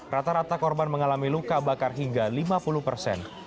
rata rata korban mengalami luka bakar hingga lima puluh persen